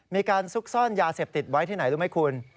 ซุกซ่อนยาเสพติดไว้ที่ไหนรู้ไหมคุณ